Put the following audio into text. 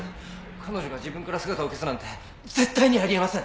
「彼女が自分から姿を消すなんて絶対にあり得ません！」